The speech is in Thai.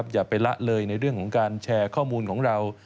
อย่าไปละเลยในเรื่องของการแชร์ข้อมูลของเรา